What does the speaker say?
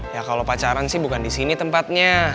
ya kalau pacaran sih bukan di sini tempatnya